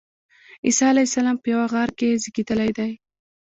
عیسی علیه السلام په یوه غار کې زېږېدلی دی.